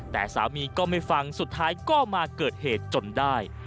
แต่สามีก็ไม่ฟังสุดท้ายก็มาเกิดเหตุจนได้